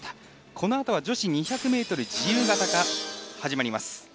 このあとは女子２００ｍ自由形が始まります。